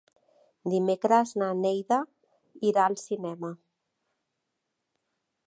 Dimecres na Neida irà al cinema.